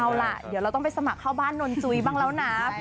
เอาละเดี๋ยวเราต้องไปหมากเข้าบ้านนนท์จุ้อยบ้างแล้วนะจับควร